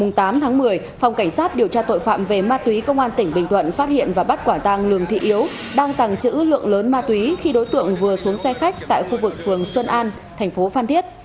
ngày tám tháng một mươi phòng cảnh sát điều tra tội phạm về ma túy công an tỉnh bình thuận phát hiện và bắt quả tàng lường thị yếu đang tàng trữ lượng lớn ma túy khi đối tượng vừa xuống xe khách tại khu vực phường xuân an thành phố phan thiết